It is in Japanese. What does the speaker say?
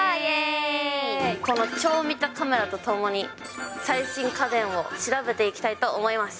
この超見たカメラとともに、最新家電を調べていきたいと思います。